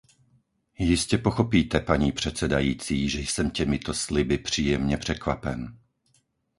Jistě pochopíte, paní předsedající, že jsem těmito sliby příjemně překvapen.